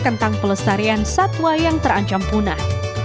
tentang pelestarian satwa yang terancam punah